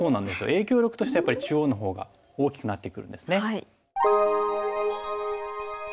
影響力としてはやっぱり中央の方が大きくなってくるんですね。